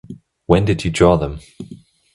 When did you draw them?